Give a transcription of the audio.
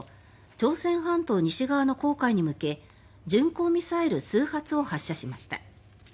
朝鮮半島西側の黄海に向け巡航ミサイル数発を発射しました。